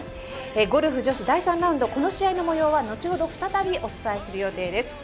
ゴルフ女子第３ラウンドこの試合の模様は後ほど再びお伝えする予定です。